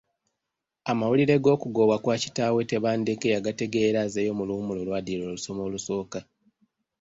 Amawulire g’okugobwa kwa kitaawe Tebandeke yagategeera azzeeyo mu luwummula olwaddirira olusoma olusooka.